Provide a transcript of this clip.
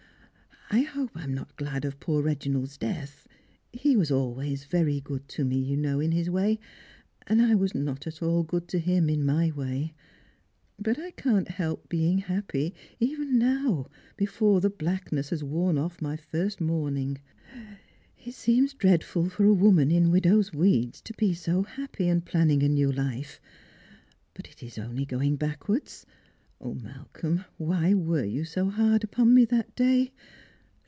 I hope I am not glad of poor Eeginald's death ; he was always very good to me, you know, in his way ; and I was not at all good to him in my way ; but I can't help being happy even now, before the blackness has worn off my first mourning. It seems dreadful for a woman in widow's weeds to be so happy and planning a new life; but it is only going backwards. O, Malcolm, why were you so hard upon me that day